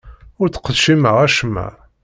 Ur ttqeccimeɣ acemma.